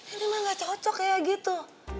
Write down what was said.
ini mah gak cocok kayak gitu